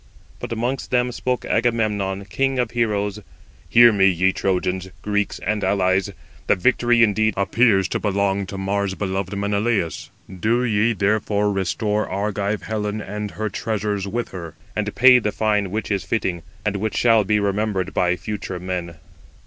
But amongst them spoke Agamemnon, king of heroes: "Hear me, ye Trojans, Greeks, and allies: the victory indeed appears [to belong to] Mars beloved Menelaus. Do ye therefore restore Argive Helen and her treasures with her, and pay the fine which is fitting, and which shall be remembered by future men."